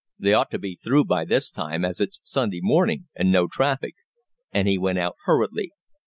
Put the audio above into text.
They ought to be through by this time, as it's Sunday morning, and no traffic." And he went out hurriedly.